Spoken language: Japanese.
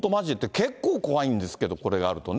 結構怖いんですけど、これがあるとね。